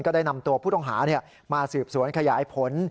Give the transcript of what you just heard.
ได้นำตัวผู้ต้องหามาสืบสวนขยายผล